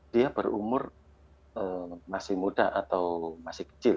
dia berumur masih muda atau masih kecil